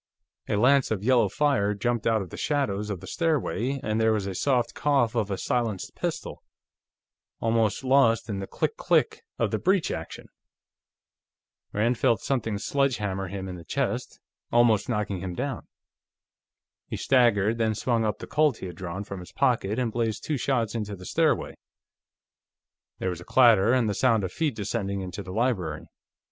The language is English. A lance of yellow fire jumped out of the shadows of the stairway, and there was a soft cough of a silenced pistol, almost lost in the click click of the breech action. Rand felt something sledge hammer him in the chest, almost knocking him down. He staggered, then swung up the Colt he had drawn from his pocket and blazed two shots into the stairway. There was a clatter, and the sound of feet descending into the library.